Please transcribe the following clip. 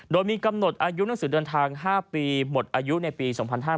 โดยมีกำหนดอายุหนังสือเดินทาง๕ปีหมดอายุในปี๒๕๕๙